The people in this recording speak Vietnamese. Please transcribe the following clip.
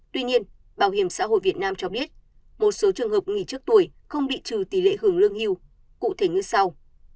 tuy nhiên bảo hiểm xã hội việt nam cho biết một số trường hợp nghỉ trước tuổi không bị trừ tỷ lệ hưởng lương hưu cụ thể như sau